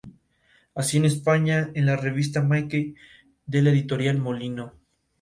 Así, en España, en la revista "Mickey" de la Editorial Molino.